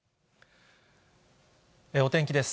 お天気です。